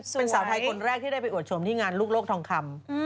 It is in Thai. เป็นสาวไทยคนแรกที่ได้ไปอวดชมที่งานลูกโลกทองคำ